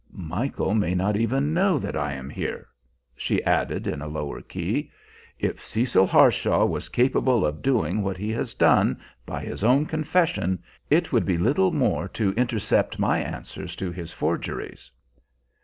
Michael may not even know that I am here," she added in a lower key. "If Cecil Harshaw was capable of doing what he has done, by his own confession, it would be little more to intercept my answers to his forgeries."